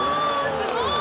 すごい